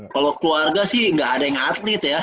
kalau keluarga sih nggak ada yang atlet ya